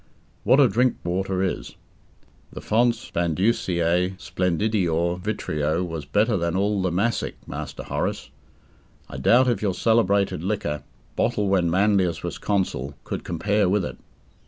What a drink water is! The fons Bandusiae splendidior vitreo was better than all the Massic, Master Horace! I doubt if your celebrated liquor, bottled when Manlius was consul, could compare with it.